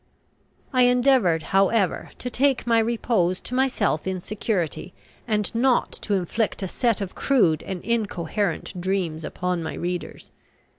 I endeavoured, however, to take my repose to myself in security, and not to inflict a set of crude and incoherent dreams upon my readers.